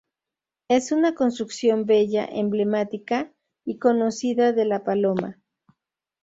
Es una construcción bella, emblemática y conocida de La Paloma.